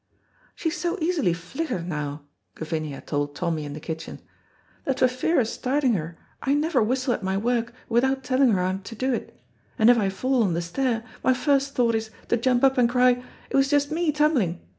"She's so easily flichtered now," Gavinia told Tommy in the kitchen, "that for fear o' starting her I never whistle at my work without telling her I'm to do't, and if I fall on the stair, my first thought is to jump up and cry, 'It was just me tum'ling.'